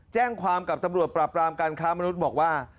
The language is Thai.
แจ้งความกับตำรวจปราบรามการค้ามนุษย์บอกว่า